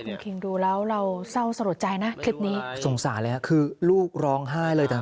คุณคิงดูแล้วเราเศร้าสลดใจนะคลิปนี้สงสารเลยฮะคือลูกร้องไห้เลยแต่